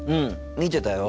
見てたよ。